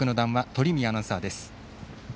鳥海アナウンサーです。